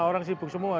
orang sibuk semua